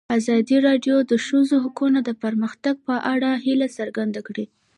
ازادي راډیو د د ښځو حقونه د پرمختګ په اړه هیله څرګنده کړې.